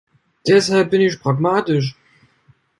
Deshalb bin ich pragmatisch.